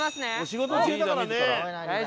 仕事中だからね。